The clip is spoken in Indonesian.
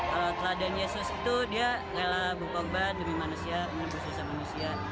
kalau teladan yesus itu dia rela berkorban demi manusia demi bersusah manusia